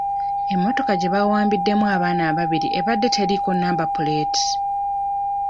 Emmotoka gye bawambiddemu abaana ababiri ebadde teriiko namba puleeti.